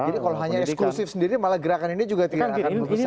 jadi kalau hanya eksklusif sendiri malah gerakan ini juga tidak akan berbesar